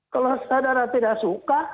kalau saudara tidak suka